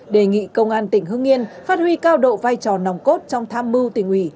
đề nghị công an tỉnh hưng yên phát huy cao độ vai trò nòng cốt trong tham mưu tỉnh ủy